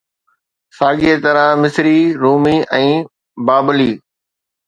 ساڳيءَ طرح مصري، رومي ۽ بابلي